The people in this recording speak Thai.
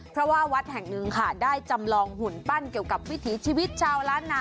เพราะว่าวัดแห่งหนึ่งค่ะได้จำลองหุ่นปั้นเกี่ยวกับวิถีชีวิตชาวล้านนา